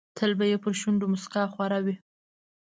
تل یې پر شونډو موسکا خوره وي.